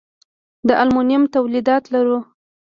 د المونیم تولیدات لرو؟